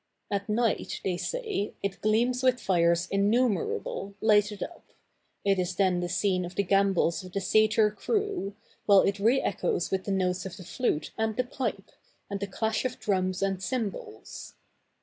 At night, they say, it gleams with fires innumerable lighted up; it is then the scene of the gambols of the Satyr crew, while it re echoes with the notes of the flute and the pipe, and the clash of drums and cymbals.